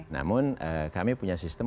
namun kami punya sistem